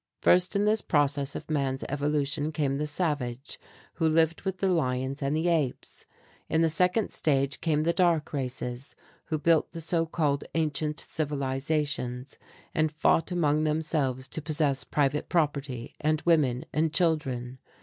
First in this process of man's evolution came the savage, who lived with the lions and the apes. In the second stage came the dark races who built the so called ancient civilizations, and fought among themselves to possess private property and women and children.